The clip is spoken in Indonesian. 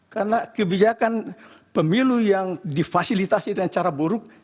karena kebijakan pemilu yang difasilitasi dengan cara buruk